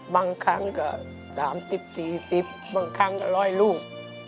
บางครั้งก็๓๐๔๐บางครั้งก็๑๐๐ลูก